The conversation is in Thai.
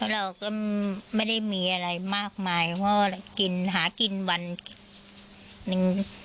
เราก็ไม่ได้มีอะไรมากมายเพราะว่ากินหากินวันหนึ่ง